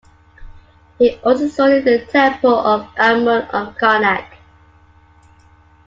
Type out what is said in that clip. He also studied the temple of Amun at Karnak.